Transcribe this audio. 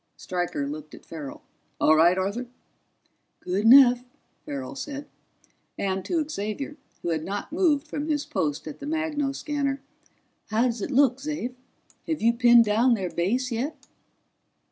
Stryker looked at Farrell. "All right, Arthur?" "Good enough," Farrell said. And to Xavier, who had not moved from his post at the magnoscanner: "How does it look, Xav? Have you pinned down their base yet?"